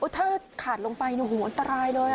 ถ้าขาดลงไปโอ้โหอันตรายเลยอ่ะ